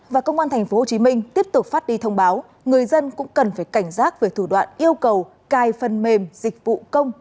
và công an tp hcm tiếp tục phát đi thông báo người dân cũng cần phải cảnh giác về thủ đoạn yêu cầu cai phần mềm dịch vụ công